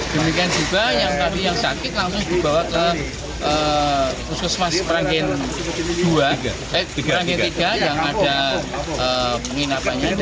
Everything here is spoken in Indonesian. demikian juga yang tadi yang sakit langsung dibawa ke puskesmas rangkaian tiga yang ada penginapannya